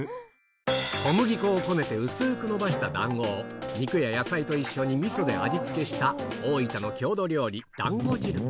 小麦粉をこねて薄くのばしただんごを、肉や野菜と一緒にみそで味付けした大分の郷土料理、だんご汁。